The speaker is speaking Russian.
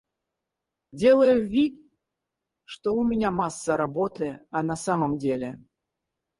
Делаю вид, что у меня масса работы, а на самом деле.